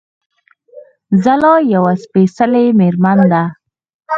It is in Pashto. ځلا يوه سپېڅلې مېرمن ده